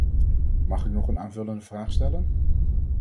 Mag ik nog een aanvullende vraag stellen?